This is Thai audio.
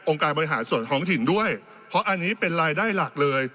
การบริหารส่วนท้องถิ่นด้วยเพราะอันนี้เป็นรายได้หลักเลย